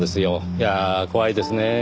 いやあ怖いですねぇ。